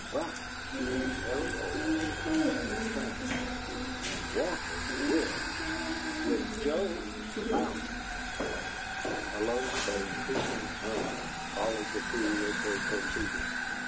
BUT Ariel Tabor returned and walking with WITH JOE LOUDEN! ... A low but increasing murmur followed the two as they proceeded.